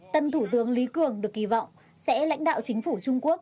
tân thủ tướng lý cường được kỳ vọng sẽ lãnh đạo chính phủ trung quốc